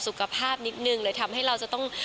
สุขภาพนิดนึงเลยทำให้เราจะต้อง